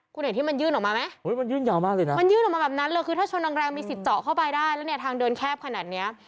คุณเห็นที่มันยื่นออกมาไหมมันยื่นยาวมากเลยนะมันยื่นออกมาแบบนั้นเลยคือถ้าชนแรงแรงมีสิทธิ์เจาะเข้าไปได้แล้วเนี่ยทางเดินแคบขนาดเนี้ย